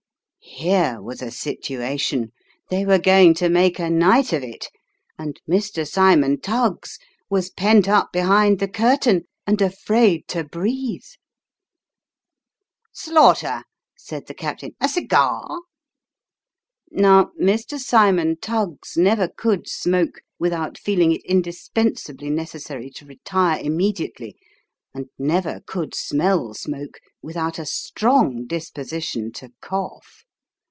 Here was a situation ! They were going to make a night of it ! And Mr. Cymon Tuggs was pent up behind the curtain and afraid to breathe !" Slaughter," said the captain, " a cigar ?" Now, Mr. Cymon Tuggs never could smoke without feeling it indis pensably necessary to retire, immediately, and never could smell smoke without a strong disposition to cough.